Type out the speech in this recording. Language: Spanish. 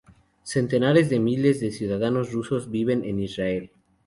Centenares de miles de ciudadanos rusos viven en Israel.